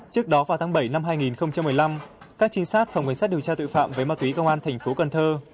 trước đó vào tháng bảy năm hai nghìn một mươi năm các trinh sát phòng cảnh sát điều tra tội phạm với ma túy công an tp cần thơ